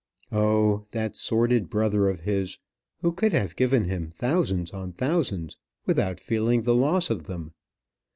Oh, that sordid brother of his, who could have given him thousands on thousands without feeling the loss of them!